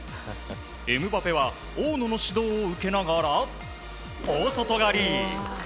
エムバペは大野の指導を受けながら大外刈り。